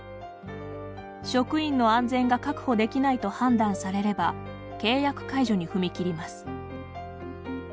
職員の安全が確保できないと判断されれば契約解除に踏み切ります。